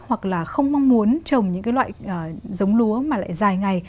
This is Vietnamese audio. hoặc là không mong muốn trồng những cái loại giống lúa mà lại dài ngày